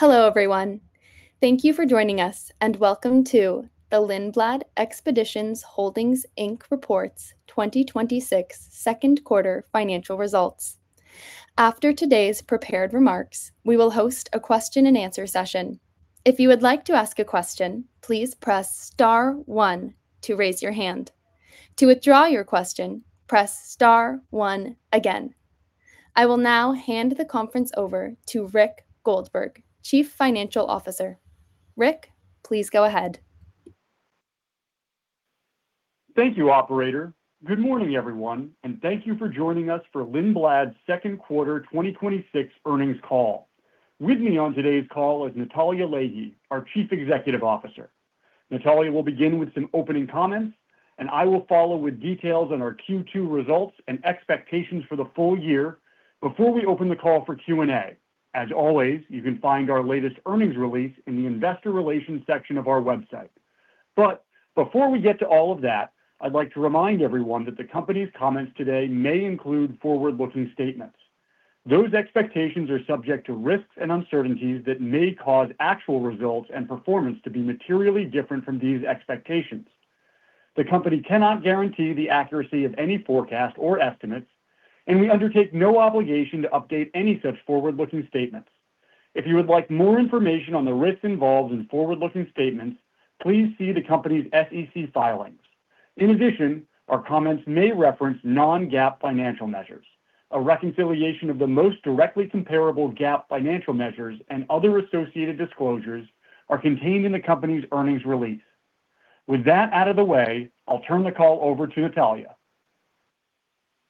Hello, everyone. Thank you for joining us, and welcome to the Lindblad Expeditions Holdings, Inc. Reports 2026 Second Quarter Financial Results. After today's prepared remarks, we will host a question and answer session. If you would like to ask a question, please press star one to raise your hand. To withdraw your question, press star one again. I will now hand the conference over to Rick Goldberg, Chief Financial Officer. Rick, please go ahead. Thank you, operator. Good morning, everyone, and thank you for joining us for Lindblad's second quarter 2026 earnings call. With me on today's call is Natalya Leahy, our Chief Executive Officer. Natalya will begin with some opening comments. I will follow with details on our Q2 results and expectations for the full year before we open the call for Q&A. As always, you can find our latest earnings release in the investor relations section of our website. Before we get to all of that, I'd like to remind everyone that the company's comments today may include forward-looking statements. Those expectations are subject to risks and uncertainties that may cause actual results and performance to be materially different from these expectations. The company cannot guarantee the accuracy of any forecast or estimates. We undertake no obligation to update any such forward-looking statements. If you would like more information on the risks involved in forward-looking statements, please see the company's SEC filings. Our comments may reference non-GAAP financial measures. A reconciliation of the most directly comparable GAAP financial measures and other associated disclosures are contained in the company's earnings release. With that out of the way, I'll turn the call over to Natalya.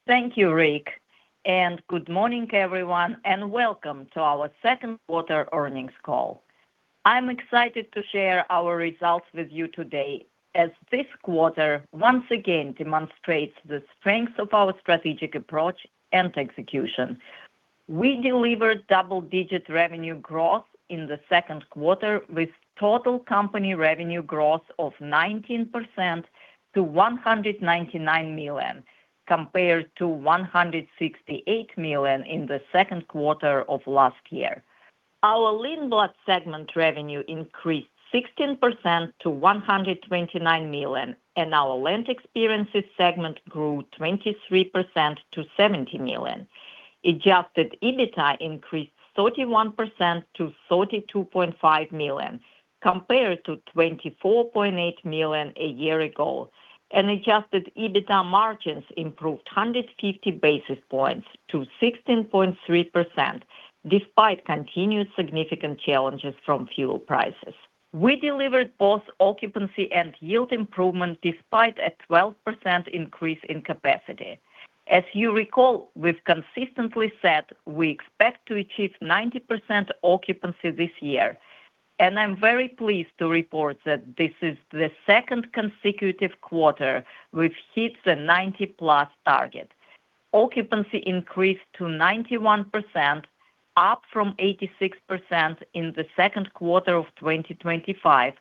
Thank you, Rick. Good morning, everyone, and welcome to our second quarter earnings call. I'm excited to share our results with you today, as this quarter once again demonstrates the strength of our strategic approach and execution. We delivered double-digit revenue growth in the second quarter with total company revenue growth of 19% to $199 million, compared to $168 million in the second quarter of last year. Our Lindblad segment revenue increased 16% to $129 million, and our Land Experiences segment grew 23% to $70 million. Adjusted EBITDA increased 31% to $32.5 million, compared to $24.8 million a year ago. Adjusted EBITDA margins improved 150 basis points to 16.3%, despite continued significant challenges from fuel prices. We delivered both occupancy and yield improvement despite a 12% increase in capacity. As you recall, we've consistently said we expect to achieve 90% occupancy this year, I'm very pleased to report that this is the second consecutive quarter we've hit the 90-plus target. Occupancy increased to 91%, up from 86% in the second quarter of 2025,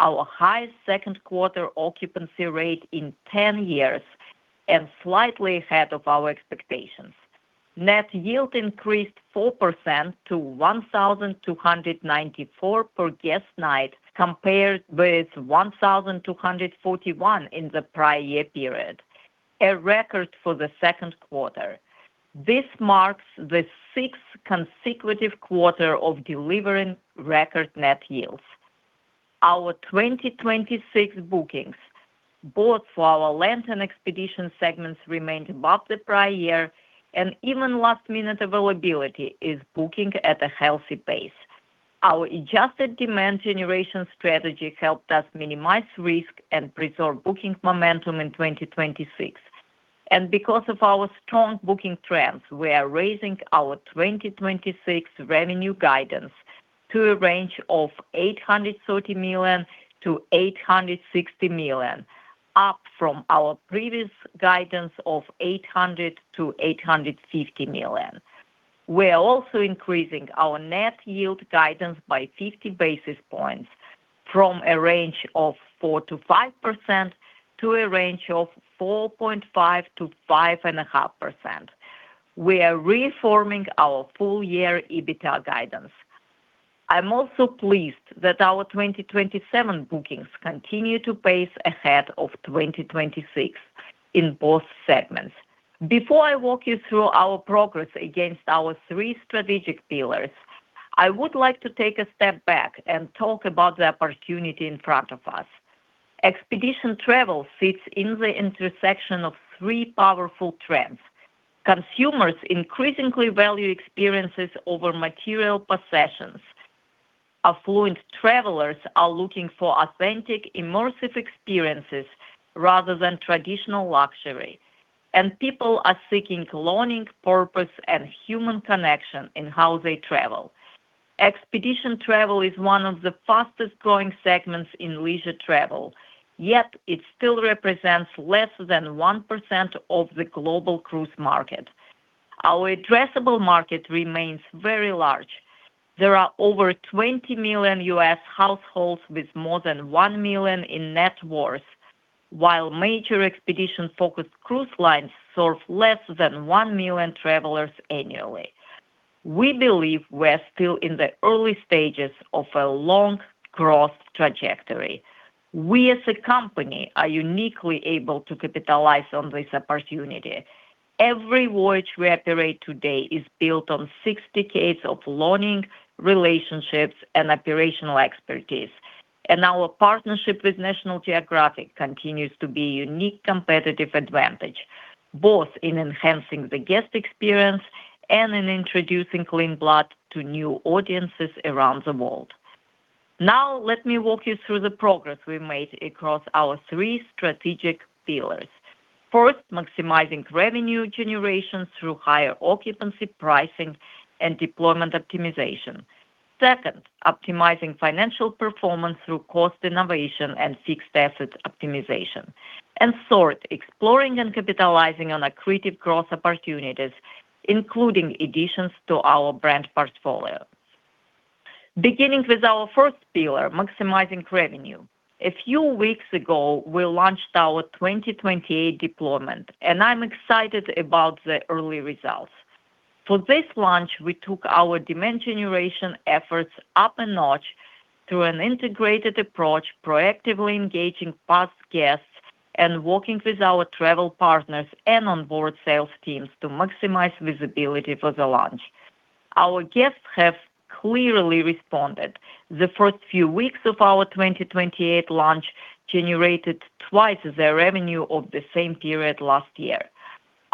our highest second quarter occupancy rate in 10 years and slightly ahead of our expectations. net yield increased 4% to $1,294 per guest night compared with $1,241 in the prior year period, a record for the second quarter. This marks the sixth consecutive quarter of delivering record net yields. Our 2026 bookings, both for our land and expedition segments, remained above the prior year, even last-minute availability is booking at a healthy pace. Our adjusted demand generation strategy helped us minimize risk and preserve booking momentum in 2026. Because of our strong booking trends, we are raising our 2026 revenue guidance to a range of $830 million-$860 million, up from our previous guidance of $800 million-$850 million. We are also increasing our net yield guidance by 50 basis points from a range of 4%-5% to a range of 4.5%-5.5%. We are reaffirming our full year EBITDA guidance. I'm also pleased that our 2027 bookings continue to pace ahead of 2026 in both segments. Before I walk you through our progress against our three strategic pillars, I would like to take a step back and talk about the opportunity in front of us. Expedition travel sits in the intersection of three powerful trends. Consumers increasingly value experiences over material possessions. Affluent travelers are looking for authentic, immersive experiences rather than traditional luxury. People are seeking belonging, purpose, and human connection in how they travel. Expedition travel is one of the fastest-growing segments in leisure travel, yet it still represents less than 1% of the global cruise market. Our addressable market remains very large. There are over 20 million U.S. households with more than $1 million in net worth. While major expedition-focused cruise lines serve less than 1 million travelers annually, we believe we're still in the early stages of a long growth trajectory. We as a company are uniquely able to capitalize on this opportunity. Every voyage we operate today is built on six decades of learning, relationships, and operational expertise, our partnership with National Geographic continues to be a unique competitive advantage, both in enhancing the guest experience and in introducing Lindblad to new audiences around the world. Now let me walk you through the progress we made across our three strategic pillars. First, maximizing revenue generation through higher occupancy pricing and deployment optimization. Second, optimizing financial performance through cost innovation and fixed asset optimization. Third, exploring and capitalizing on accretive growth opportunities, including additions to our brand portfolio. Beginning with our first pillar, maximizing revenue. A few weeks ago, we launched our 2028 deployment, I'm excited about the early results. For this launch, we took our demand generation efforts up a notch through an integrated approach, proactively engaging past guests, working with our travel partners and onboard sales teams to maximize visibility for the launch. Our guests have clearly responded. The first few weeks of our 2028 launch generated twice the revenue of the same period last year.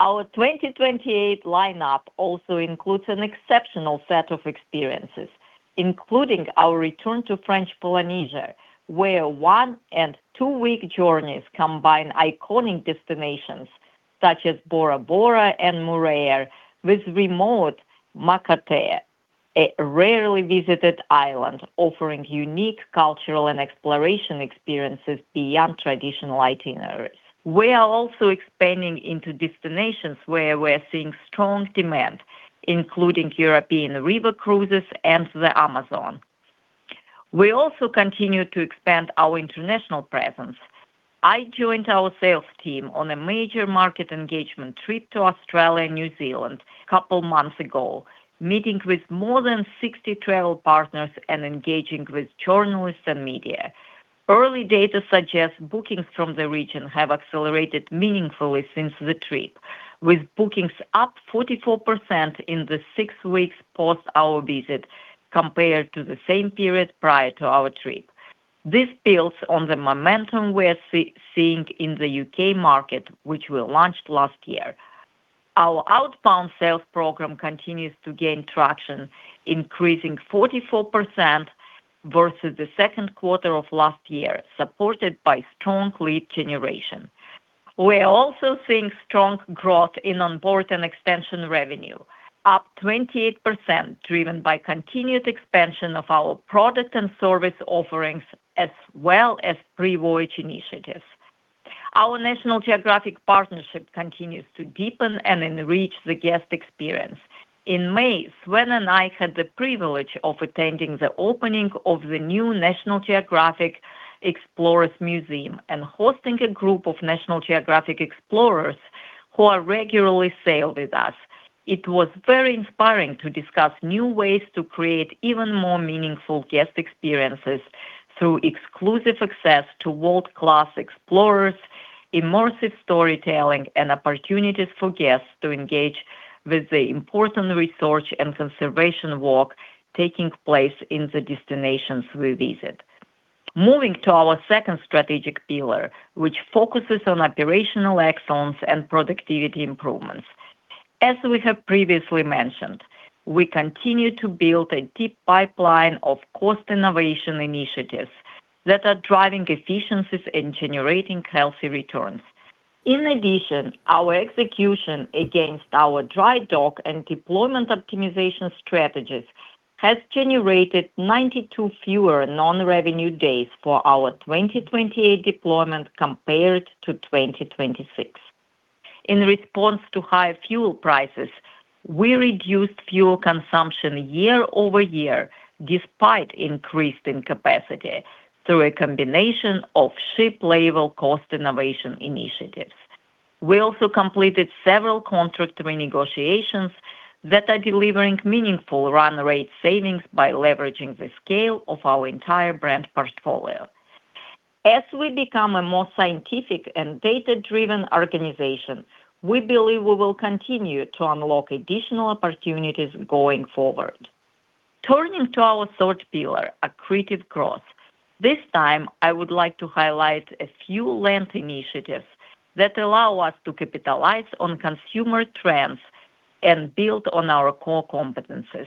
Our 2028 lineup also includes an exceptional set of experiences, including our return to French Polynesia, where one- and two-week journeys combine iconic destinations such as Bora Bora and Moorea with remote Makatea, a rarely visited island offering unique cultural and exploration experiences beyond traditional itineraries. We are also expanding into destinations where we're seeing strong demand, including European river cruises and the Amazon. We also continue to expand our international presence. I joined our sales team on a major market engagement trip to Australia and New Zealand a couple months ago, meeting with more than 60 travel partners and engaging with journalists and media. Early data suggests bookings from the region have accelerated meaningfully since the trip, with bookings up 44% in the six weeks post our visit compared to the same period prior to our trip. This builds on the momentum we're seeing in the U.K. market, which we launched last year. Our outbound sales program continues to gain traction, increasing 44% versus the second quarter of last year, supported by strong lead generation. We are also seeing strong growth in onboard and extension revenue, up 28%, driven by continued expansion of our product and service offerings, as well as pre-voyage initiatives. Our National Geographic partnership continues to deepen and enrich the guest experience. In May, Sven and I had the privilege of attending the opening of the new National Geographic Explorers Museum and hosting a group of National Geographic explorers who regularly sail with us. It was very inspiring to discuss new ways to create even more meaningful guest experiences through exclusive access to world-class explorers, immersive storytelling, and opportunities for guests to engage with the important research and conservation work taking place in the destinations we visit. Moving to our second strategic pillar, which focuses on operational excellence and productivity improvements. As we have previously mentioned, we continue to build a deep pipeline of cost innovation initiatives that are driving efficiencies and generating healthy returns. In addition, our execution against our dry dock and deployment optimization strategies has generated 92 fewer non-revenue days for our 2028 deployment compared to 2026. In response to high fuel prices, we reduced fuel consumption year-over-year despite increase in capacity through a combination of ship-level cost innovation initiatives. We also completed several contract renegotiations that are delivering meaningful run rate savings by leveraging the scale of our entire brand portfolio. As we become a more scientific and data-driven organization, we believe we will continue to unlock additional opportunities going forward. Turning to our third pillar, accretive growth. This time, I would like to highlight a few land initiatives that allow us to capitalize on consumer trends and build on our core competencies.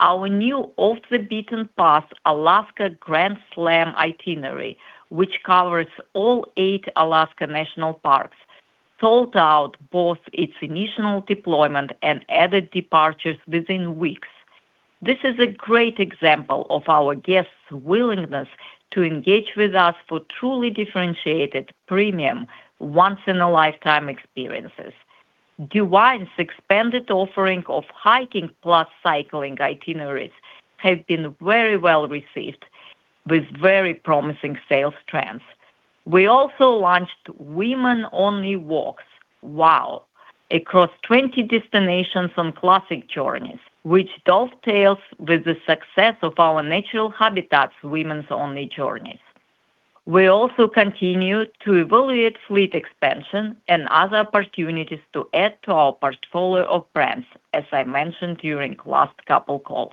Our new Off the Beaten Path Alaska Grand Slam itinerary, which covers all eight Alaska National Parks, sold out both its initial deployment and added departures within weeks. This is a great example of our guests' willingness to engage with us for truly differentiated, premium, once-in-a-lifetime experiences. DuVine's expanded offering of hiking plus cycling itineraries have been very well-received with very promising sales trends. We also launched Women-Only Walks, WOW, across 20 destinations on Classic Journeys, which dovetails with the success of our Natural Habitat Adventures women's only journeys. We also continue to evaluate fleet expansion and other opportunities to add to our portfolio of brands, as I mentioned during last couple calls.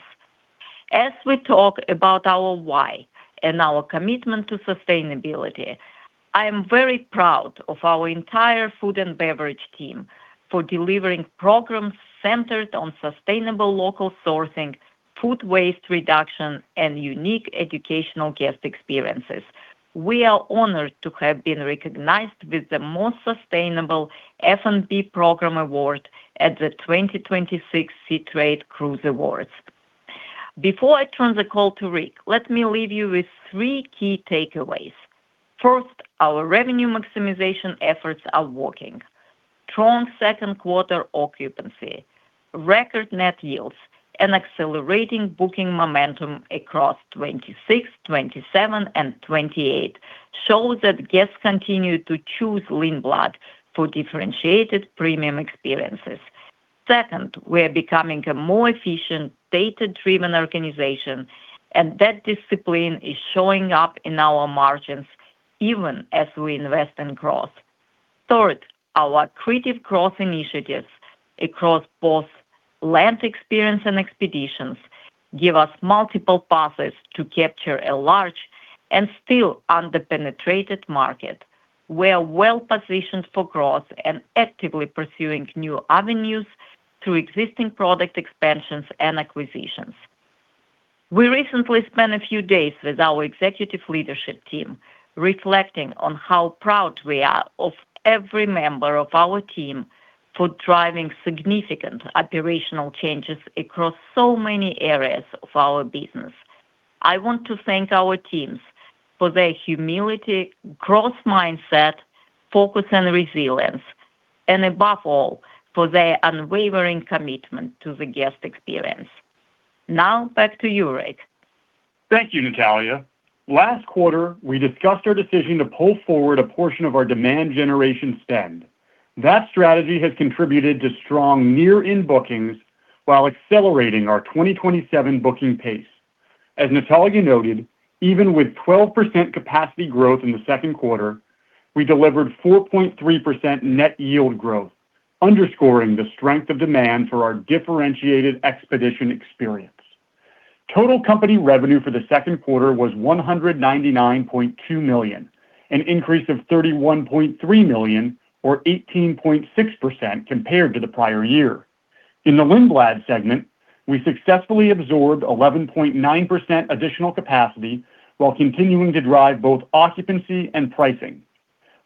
As we talk about our why and our commitment to sustainability, I am very proud of our entire food and beverage team for delivering programs centered on sustainable local sourcing, food waste reduction, and unique educational guest experiences. We are honored to have been recognized with the Most Sustainable F&B Program Award at the 2026 Seatrade Cruise Awards. Before I turn the call to Rick, let me leave you with three key takeaways. Our revenue maximization efforts are working. Strong second quarter occupancy, record net yields, and accelerating booking momentum across 2026, 2027, and 2028 shows that guests continue to choose Lindblad for differentiated premium experiences. We are becoming a more efficient, data-driven organization, and that discipline is showing up in our margins even as we invest in growth. Our creative growth initiatives across both Land Experiences and expeditions give us multiple paths to capture a large and still under-penetrated market. We are well-positioned for growth and actively pursuing new avenues through existing product expansions and acquisitions. We recently spent a few days with our executive leadership team reflecting on how proud we are of every member of our team for driving significant operational changes across so many areas of our business. I want to thank our teams for their humility, growth mindset, focus and resilience, and above all, for their unwavering commitment to the guest experience. Now back to you, Rick. Thank you, Natalya. Last quarter, we discussed our decision to pull forward a portion of our demand generation spend. That strategy has contributed to strong near-in bookings while accelerating our 2027 booking pace. As Natalya noted, even with 12% capacity growth in the second quarter, we delivered 4.3% net yield growth, underscoring the strength of demand for our differentiated expedition experience. Total company revenue for the second quarter was $199.2 million, an increase of $31.3 million or 18.6% compared to the prior year. In the Lindblad segment, we successfully absorbed 11.9% additional capacity while continuing to drive both occupancy and pricing.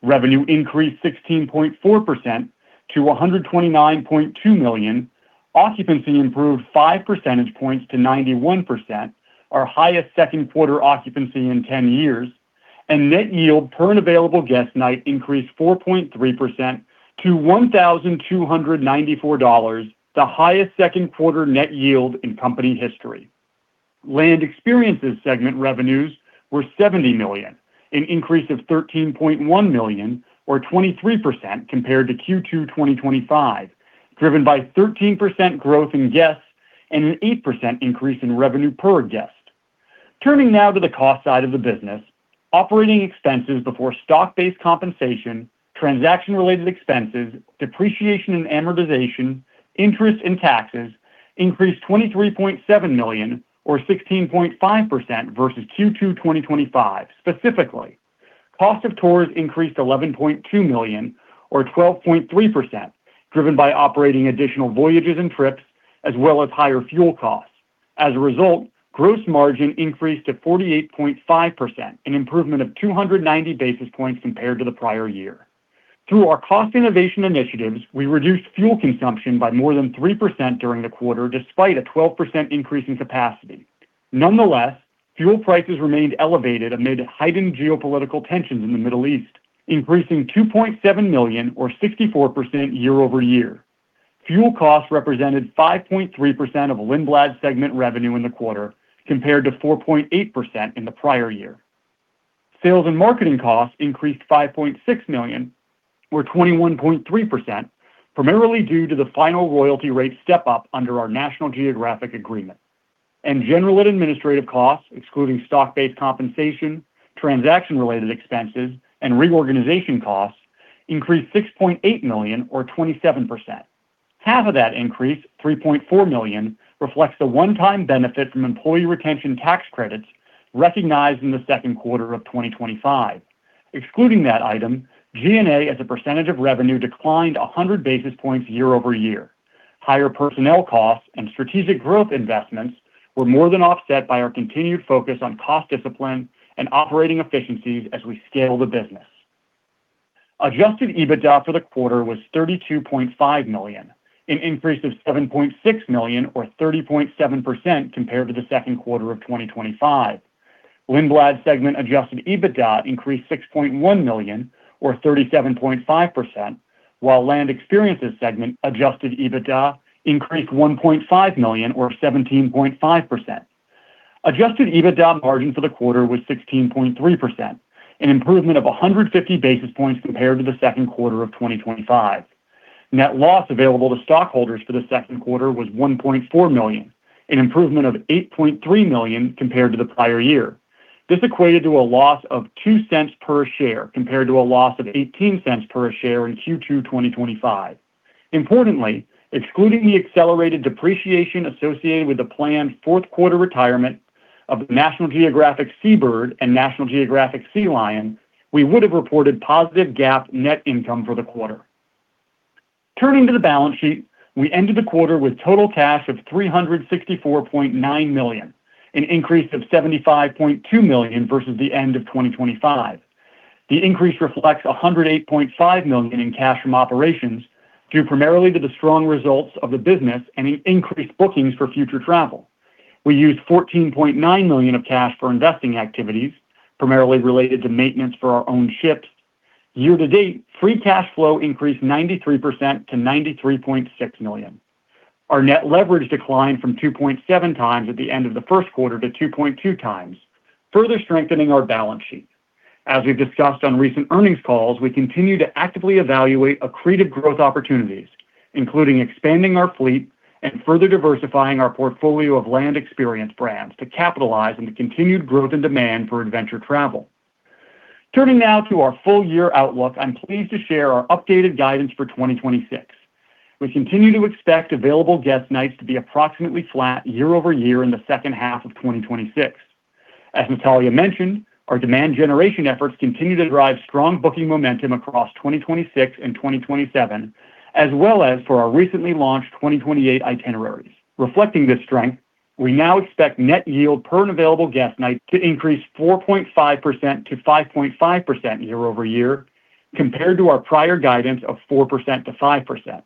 Revenue increased 16.4% to $129.2 million. Occupancy improved 5 percentage points to 91%, our highest second quarter occupancy in 10 years, and net yield per available guest night increased 4.3% to $1,294, the highest second quarter net yield in company history. Land Experiences segment revenues were $70 million, an increase of $13.1 million or 23% compared to Q2 2025, driven by 13% growth in guests and an 8% increase in revenue per guest. Turning now to the cost side of the business. Operating expenses before stock-based compensation, transaction-related expenses, depreciation and amortization, interest and taxes increased $23.7 million or 16.5% versus Q2 2025. Specifically, cost of tours increased $11.2 million or 12.3%, driven by operating additional voyages and trips as well as higher fuel costs. As a result, gross margin increased to 48.5%, an improvement of 290 basis points compared to the prior year. Through our cost innovation initiatives, we reduced fuel consumption by more than 3% during the quarter, despite a 12% increase in capacity. Nonetheless, fuel prices remained elevated amid heightened geopolitical tensions in the Middle East, increasing $2.7 million or 64% year over year. Fuel costs represented 5.3% of Lindblad segment revenue in the quarter, compared to 4.8% in the prior year. Sales and marketing costs increased $5.6 million or 21.3%, primarily due to the final royalty rate step-up under our National Geographic agreement. General and administrative costs, excluding stock-based compensation, transaction-related expenses, and reorganization costs increased $6.8 million or 27%. Half of that increase, $3.4 million, reflects the one-time benefit from employee retention tax credits recognized in the second quarter of 2025. Excluding that item, G&A as a percentage of revenue declined 100 basis points year over year. Higher personnel costs and strategic growth investments were more than offset by our continued focus on cost discipline and operating efficiencies as we scale the business. Adjusted EBITDA for the quarter was $32.5 million, an increase of $7.6 million or 30.7% compared to the second quarter of 2025. Lindblad segment adjusted EBITDA increased $6.1 million or 37.5%, while Land Experiences segment adjusted EBITDA increased $1.5 million or 17.5%. Adjusted EBITDA margin for the quarter was 16.3%, an improvement of 150 basis points compared to the second quarter of 2025. Net loss available to stockholders for the second quarter was $1.4 million, an improvement of $8.3 million compared to the prior year. This equated to a loss of $0.02 per share, compared to a loss of $0.18 per share in Q2 2025. Importantly, excluding the accelerated depreciation associated with the planned fourth-quarter retirement of National Geographic Sea Bird and National Geographic Sea Lion, we would have reported positive GAAP net income for the quarter. Turning to the balance sheet, we ended the quarter with total cash of $364.9 million, an increase of $75.2 million versus the end of 2025. The increase reflects $108.5 million in cash from operations, due primarily to the strong results of the business and in increased bookings for future travel. We used $14.9 million of cash for investing activities, primarily related to maintenance for our own ships. Year-to-date, free cash flow increased 93% to $93.6 million. Our net leverage declined from 2.7x at the end of the first quarter to 2.2x, further strengthening our balance sheet. As we've discussed on recent earnings calls, we continue to actively evaluate accretive growth opportunities, including expanding our fleet and further diversifying our portfolio of Land Experiences brands to capitalize on the continued growth and demand for adventure travel. Turning now to our full-year outlook, I'm pleased to share our updated guidance for 2026. We continue to expect available guest nights to be approximately flat year-over-year in the second half of 2026. As Natalya mentioned, our demand generation efforts continue to drive strong booking momentum across 2026 and 2027, as well as for our recently launched 2028 itineraries. Reflecting this strength, we now expect net yield per available guest night to increase 4.5%-5.5% year-over-year, compared to our prior guidance of 4%-5%.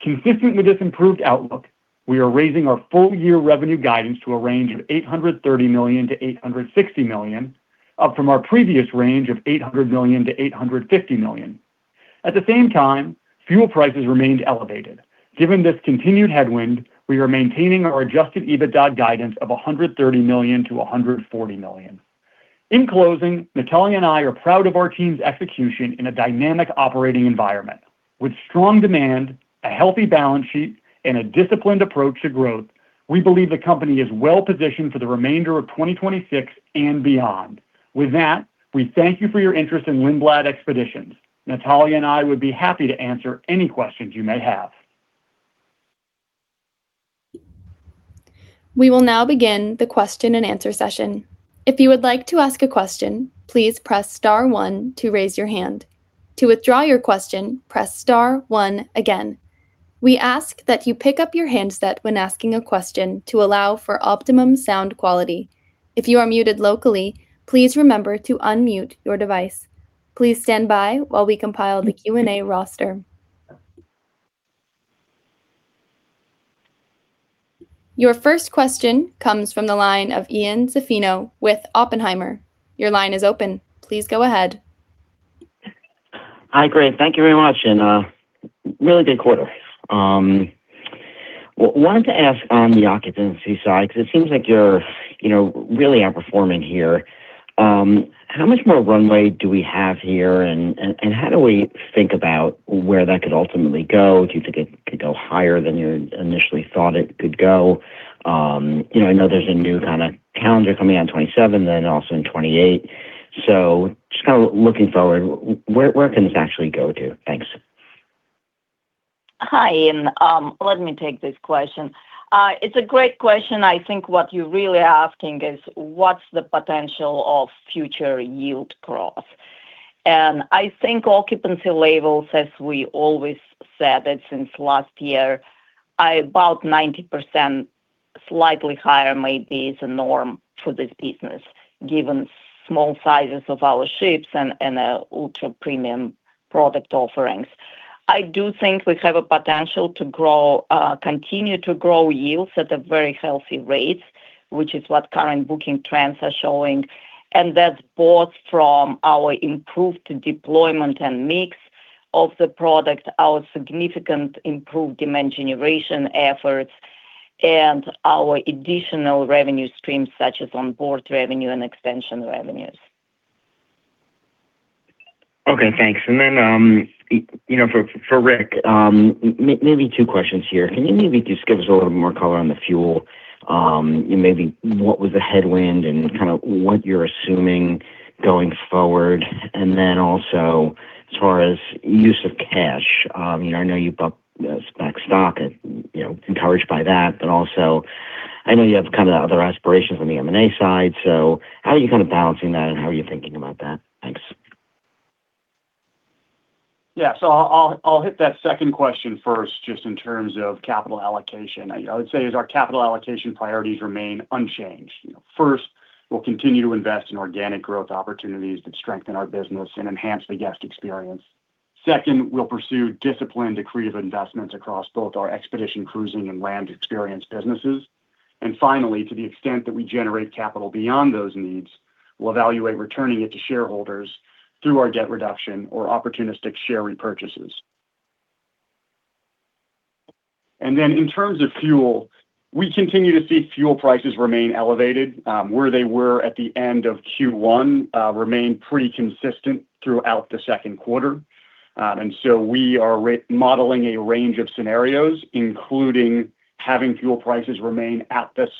Consistent with this improved outlook, we are raising our full-year revenue guidance to a range of $830 million-$860 million, up from our previous range of $800 million-$850 million. At the same time, fuel prices remained elevated. Given this continued headwind, we are maintaining our adjusted EBITDA guidance of $130 million-$140 million. In closing, Natalya and I are proud of our team's execution in a dynamic operating environment. With strong demand, a healthy balance sheet, and a disciplined approach to growth, we believe the company is well-positioned for the remainder of 2026 and beyond. With that, we thank you for your interest in Lindblad Expeditions. Natalya and I would be happy to answer any questions you may have. We will now begin the question and answer session. If you would like to ask a question, please press star one to raise your hand. To withdraw your question, press star one again. We ask that you pick up your handset when asking a question to allow for optimum sound quality. If you are muted locally, please remember to unmute your device. Please stand by while we compile the Q&A roster. Your first question comes from the line of Ian Zaffino with Oppenheimer. Your line is open. Please go ahead. Hi, great. Thank you very much. Really good quarter. Wanted to ask on the occupancy side, because it seems like you're really outperforming here. How much more runway do we have here, and how do we think about where that could ultimately go? Do you think it could go higher than you initially thought it could go? I know there's a new kind of calendar coming on 2027, also in 2028. Just kind of looking forward, where can this actually go to? Thanks. Hi, Ian. Let me take this question. It's a great question. I think what you're really asking is what's the potential of future yield growth. I think occupancy levels, as we always said it since last year, about 90%, slightly higher maybe is the norm for this business, given small sizes of our ships and our ultra-premium product offerings. I do think we have a potential to continue to grow yields at a very healthy rate, which is what current booking trends are showing, that's both from our improved deployment and mix of the product, our significant improved demand generation efforts, and our additional revenue streams such as on-board revenue and extension revenues. Okay, thanks. For Rick, maybe two questions here. Can you maybe just give us a little more color on the fuel? Maybe what was the headwind and kind of what you're assuming going forward? Also as far as use of cash, I know you bought back stock and encouraged by that, but also I know you have kind of other aspirations on the M&A side, how are you kind of balancing that and how are you thinking about that? Thanks. Yeah. I'll hit that second question first, just in terms of capital allocation. I would say is our capital allocation priorities remain unchanged. First, we'll continue to invest in organic growth opportunities that strengthen our business and enhance the guest experience. Second, we'll pursue disciplined, accretive investments across both our expedition cruising and Land Experiences businesses. Finally, to the extent that we generate capital beyond those needs, we'll evaluate returning it to shareholders through our debt reduction or opportunistic share repurchases. In terms of fuel, we continue to see fuel prices remain elevated. Where they were at the end of Q1 remained pretty consistent throughout the second quarter. We are modeling a range of scenarios, including having fuel prices remain at this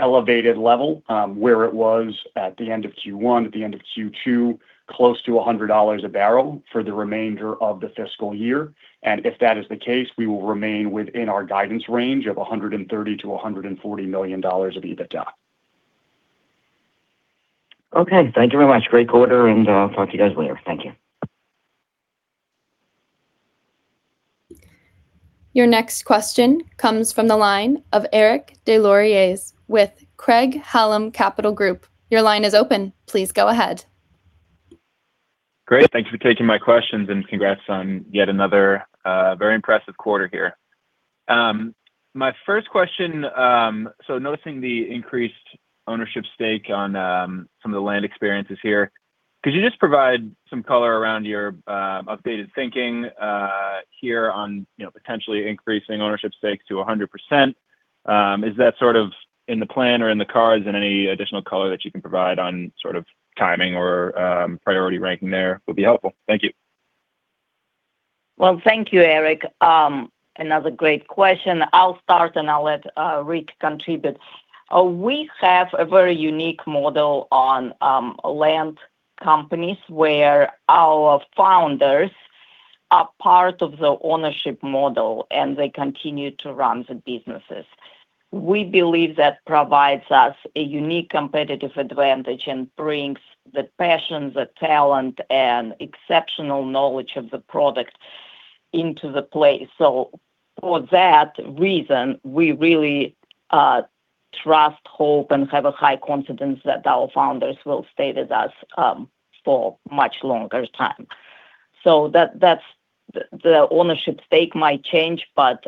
elevated level, where it was at the end of Q1, at the end of Q2, close to $100 a barrel for the remainder of the fiscal year. If that is the case, we will remain within our guidance range of $130 million-$140 million of EBITDA. Okay, thank you very much. Great quarter. I'll talk to you guys later. Thank you. Your next question comes from the line of Eric Des Lauriers with Craig-Hallum Capital Group. Your line is open. Please go ahead. Great. Thanks for taking my questions, and congrats on yet another very impressive quarter here. My first question, so noticing the increased ownership stake on some of the Land Experiences here, could you just provide some color around your updated thinking here on potentially increasing ownership stakes to 100%? Is that sort of in the plan or in the cards, and any additional color that you can provide on sort of timing or priority ranking there would be helpful. Thank you. Well, thank you, Eric. Another great question. I'll start, and I'll let Rick contribute. We have a very unique model on land companies where our founders are part of the ownership model, and they continue to run the businesses. We believe that provides us a unique competitive advantage and brings the passion, the talent, and exceptional knowledge of the product into the play. For that reason, we really trust, hope, and have a high confidence that our founders will stay with us for much longer time. The ownership stake might change, but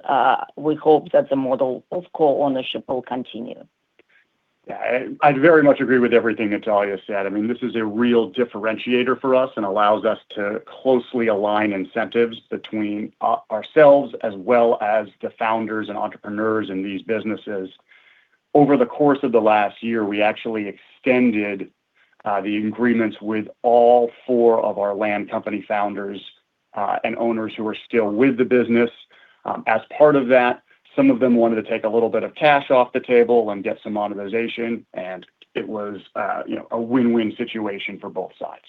we hope that the model of co-ownership will continue. Yeah. I very much agree with everything Natalya said. I mean, this is a real differentiator for us and allows us to closely align incentives between ourselves as well as the founders and entrepreneurs in these businesses. Over the course of the last year, we actually extended the agreements with all four of our land company founders and owners who are still with the business. As part of that, some of them wanted to take a little bit of cash off the table and get some monetization, and it was a win-win situation for both sides.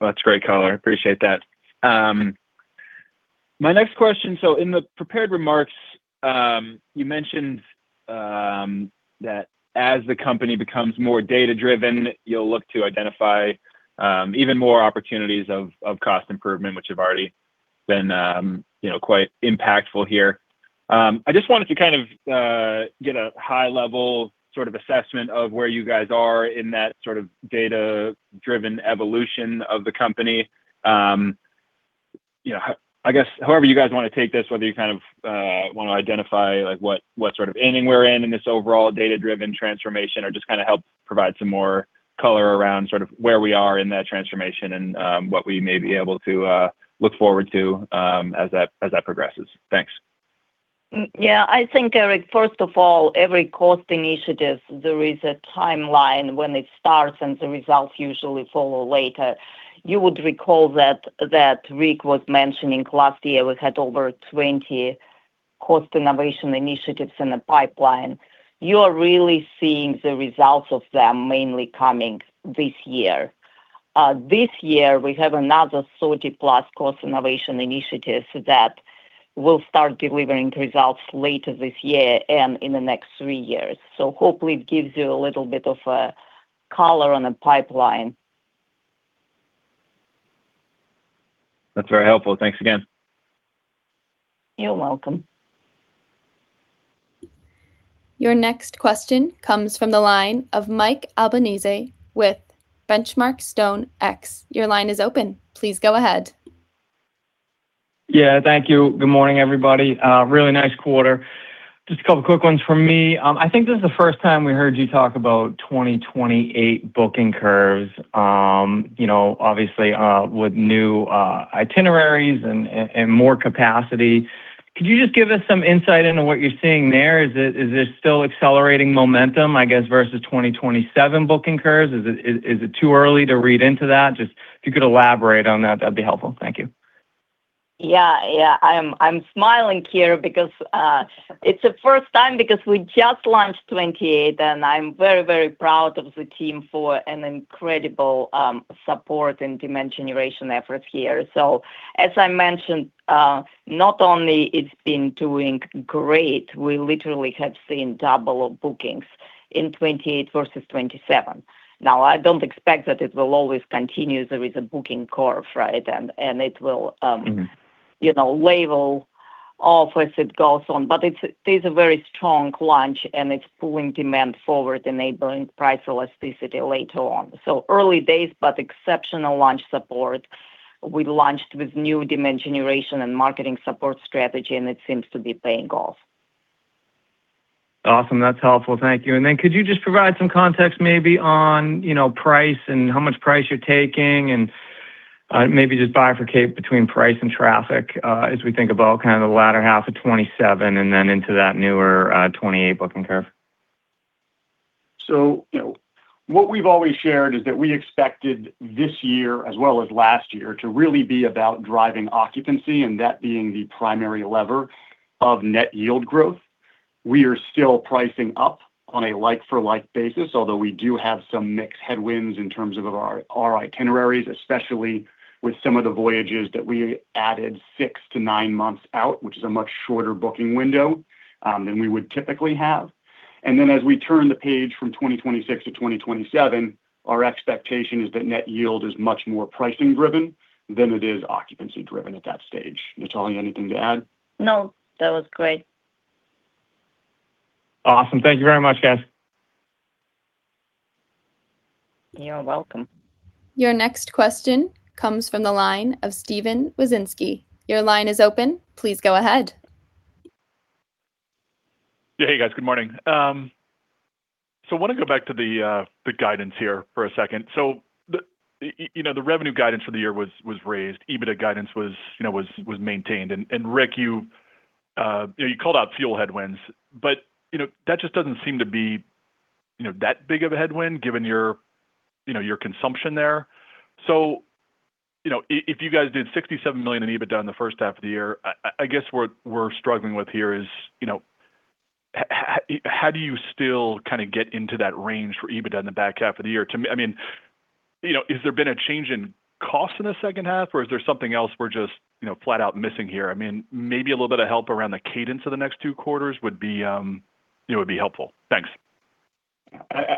That's great color. Appreciate that. My next question, in the prepared remarks, you mentioned that as the company becomes more data-driven, you'll look to identify even more opportunities of cost improvement, which have already been quite impactful here. I just wanted to kind of get a high-level sort of assessment of where you guys are in that sort of data-driven evolution of the company. I guess, however you guys want to take this, whether you kind of want to identify what sort of inning we're in this overall data-driven transformation or just kind of help provide some more color around sort of where we are in that transformation and what we may be able to look forward to as that progresses. Thanks. Yeah. I think, Eric, first of all, every cost initiative, there is a timeline when it starts, and the results usually follow later. You would recall that Rick was mentioning last year we had over 20 cost innovation initiatives in the pipeline. You are really seeing the results of them mainly coming this year. This year, we have another 30+ cost innovation initiatives that will start delivering results later this year and in the next three years. Hopefully, it gives you a little bit of color on the pipeline. That's very helpful. Thanks again. You're welcome. Your next question comes from the line of Mike Albanese with Benchmark StoneX. Your line is open. Please go ahead. Yeah, thank you. Good morning, everybody. A really nice quarter. Just a couple quick ones from me. I think this is the first time we heard you talk about 2028 booking curves. Obviously, with new itineraries and more capacity. Could you just give us some insight into what you're seeing there? Is this still accelerating momentum, I guess, versus 2027 booking curves? Is it too early to read into that? If you could elaborate on that'd be helpful. Thank you. Yeah. I'm smiling here because it's the first time because we just launched 2028, and I'm very, very proud of the team for an incredible support and demand generation efforts here. As I mentioned, not only it's been doing great, we literally have seen double of bookings in 2028 versus 2027. Now, I don't expect that it will always continue. There is a booking curve, right? level off as it goes on. It's a very strong launch, and it's pulling demand forward, enabling price elasticity later on. Early days, but exceptional launch support. We launched with new demand generation and marketing support strategy, and it seems to be paying off. Awesome. That's helpful. Thank you. Could you just provide some context maybe on price and how much price you're taking, and maybe just bifurcate between price and traffic, as we think about kind of the latter half of 2027 and then into that newer 2028 booking curve? What we've always shared is that we expected this year, as well as last year, to really be about driving occupancy, and that being the primary lever of net yield growth. We are still pricing up on a like-for-like basis, although we do have some mixed headwinds in terms of our itineraries, especially with some of the voyages that we added six to nine months out, which is a much shorter booking window than we would typically have. As we turn the page from 2026-2027, our expectation is that net yield is much more pricing-driven than it is occupancy-driven at that stage. Natalya, anything to add? No, that was great. Awesome. Thank you very much, guys. You are welcome. Your next question comes from the line of Steven Wieczynski. Your line is open. Please go ahead. Hey, guys. Good morning. I want to go back to the guidance here for a second. The revenue guidance for the year was raised. EBITDA guidance was maintained. Rick, you called out fuel headwinds, but that just doesn't seem to be that big of a headwind given your consumption there. If you guys did $67 million in EBITDA in the first half of the year, I guess what we're struggling with here is, how do you still kind of get into that range for EBITDA in the back half of the year? Has there been a change in cost in the second half, or is there something else we're just flat out missing here? Maybe a little bit of help around the cadence of the next two quarters would be helpful. Thanks.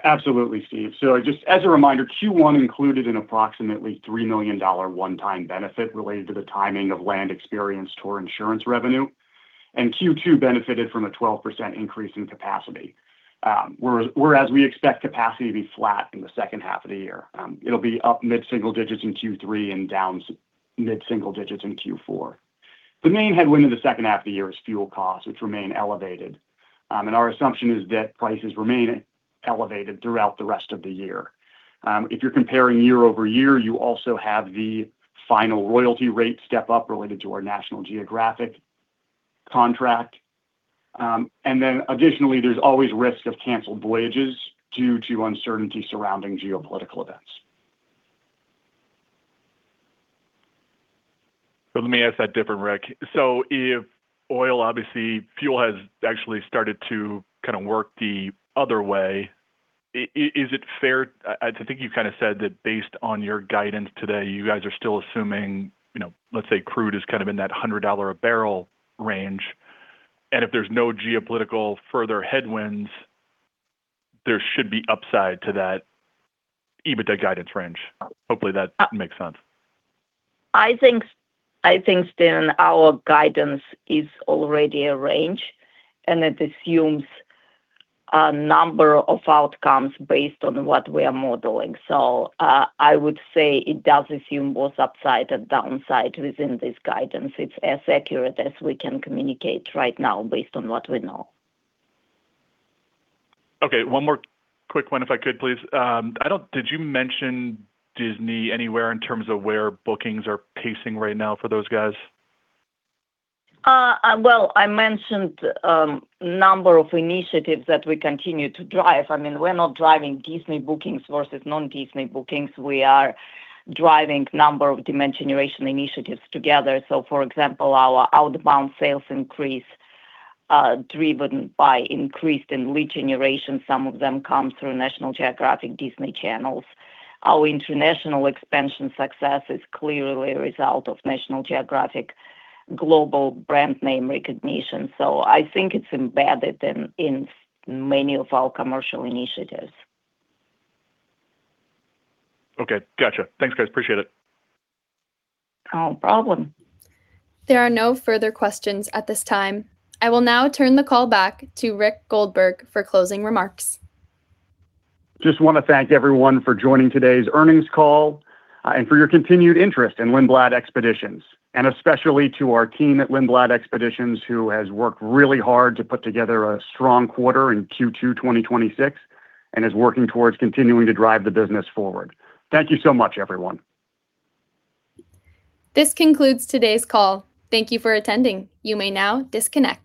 Absolutely, Steven. Just as a reminder, Q1 included an approximately $3 million one-time benefit related to the timing of Land Experiences tour insurance revenue, and Q2 benefited from a 12% increase in capacity. Whereas, we expect capacity to be flat in the second half of the year. It will be up mid-single digits in Q3 and down mid-single digits in Q4. The main headwind in the second half of the year is fuel costs, which remain elevated. Our assumption is that prices remain elevated throughout the rest of the year. If you are comparing year-over-year, you also have the final royalty rate step-up related to our National Geographic contract. Additionally, there is always risk of canceled voyages due to uncertainty surrounding geopolitical events. Let me ask that different, Rick. If oil, obviously fuel has actually started to kind of work the other way, is it fair, I think you kind of said that based on your guidance today, you guys are still assuming, let us say crude is kind of in that $100 a barrel range, and if there is no geopolitical further headwinds, there should be upside to that EBITDA guidance range. Hopefully, that makes sense. I think, Steven, our guidance is already a range, and it assumes a number of outcomes based on what we are modeling. I would say it does assume both upside and downside within this guidance. It is as accurate as we can communicate right now based on what we know. Okay. One more quick one if I could, please. Did you mention Disney anywhere in terms of where bookings are pacing right now for those guys? Well, I mentioned a number of initiatives that we continue to drive. We're not driving Disney bookings versus non-Disney bookings. We are driving a number of demand generation initiatives together. For example, our outbound sales increase, driven by increase in lead generation. Some of them come through National Geographic, Disney channels. Our international expansion success is clearly a result of National Geographic global brand name recognition. I think it's embedded in many of our commercial initiatives. Okay. Got you. Thanks, guys. Appreciate it. No problem. There are no further questions at this time. I will now turn the call back to Rick Goldberg for closing remarks. Just want to thank everyone for joining today's earnings call, and for your continued interest in Lindblad Expeditions. Especially to our team at Lindblad Expeditions, who has worked really hard to put together a strong quarter in Q2 2026, and is working towards continuing to drive the business forward. Thank you so much, everyone. This concludes today's call. Thank you for attending. You may now disconnect.